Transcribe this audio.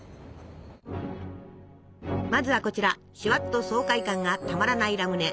まずはこちらシュワッと爽快感がたまらないラムネ。